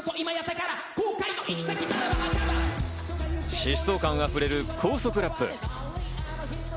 疾走感溢れる高速ラップ。